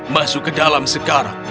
masuk ke dalam sekarang